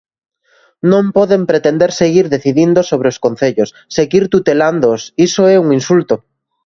Non poden pretender seguir decidindo sobre os concellos, seguir tutelándoos, iso é un insulto.